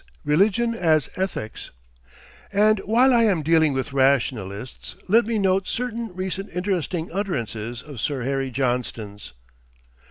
RELIGION AS ETHICS And while I am dealing with rationalists, let me note certain recent interesting utterances of Sir Harry Johnston's.